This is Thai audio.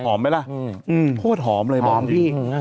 หอมไหมล่ะโฮดหอมเลยบอกจริง